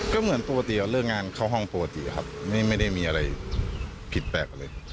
ก็เหมือนปกติเลิกงานเข้าห้องปกติครับไม่ได้มีอะไรผิดแปลกอะไร